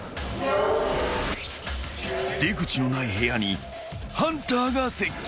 ［出口のない部屋にハンターが接近］